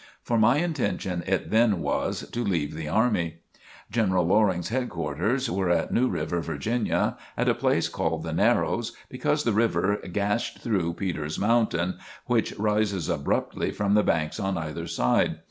For my intention it then was to leave the army. General Loring's headquarters were at New River, Virginia, at a place called the Narrows, because the river gashed through Peter's Mountain, which rises abruptly from the banks on either side.